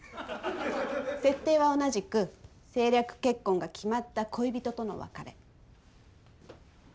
設定は同じく政略結婚が決まった恋人との別れ。